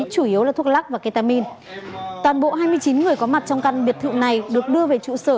chủ yếu là thuốc lắc và ketamin toàn bộ hai mươi chín người có mặt trong căn biệt thự này được đưa về trụ sở